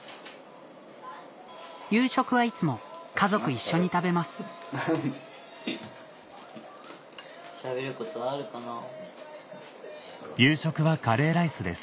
夕食はいつも家族一緒に食べますしゃべることあるかなぁ。